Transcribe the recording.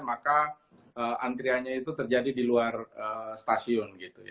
maka antriannya itu terjadi di luar stasiun